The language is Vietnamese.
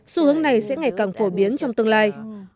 xu hướng này sẽ ngày càng phổ biến trong tương lai